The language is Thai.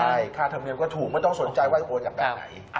ใช่ค่าทำเงินก็ถูกไม่ต้องสนใจว่าโอนอยากแบบไหน